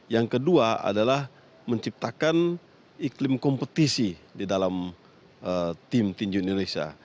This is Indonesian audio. yang kedua adalah menciptakan iklim kompetisi di dalam tim tinju indonesia